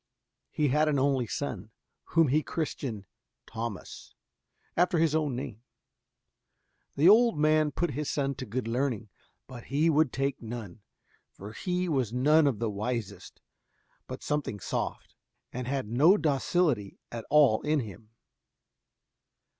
He had an only son, whom he christened Thomas, after his own name. The old man put his son to good learning, but he would take none, for he was none of the wisest, but something soft, and had no docility at all in him.